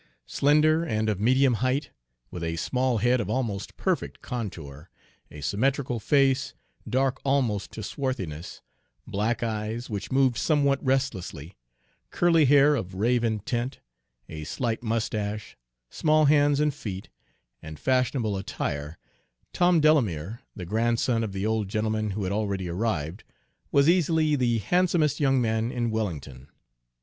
Slender and of medium height, with a small head of almost perfect contour, a symmetrical face, dark almost to swarthiness, black eyes, which moved somewhat restlessly, curly hair of raven tint, a slight mustache, small hands and feet, and fashionable attire, Tom Delamere, the grandson of the old gentleman who had already arrived, was easily the handsomest young man in Wellington.